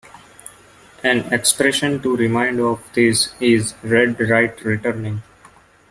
An expression to remind of this is "red right returning".